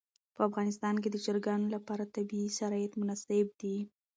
په افغانستان کې د چرګانو لپاره طبیعي شرایط مناسب دي.